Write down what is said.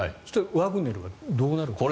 ワグネルはどうなるんですか？